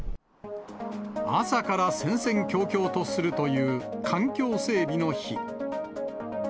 朝から戦々恐々とするという環境整備の日。